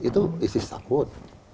itu isi sakut